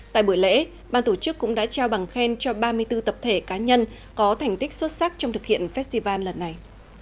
tại buổi lễ ban tổ chức cũng đã trao bằng khen cho ba mươi bốn tập thể cá nhân có thành tích xuất sắc trong thực hiện festival lần này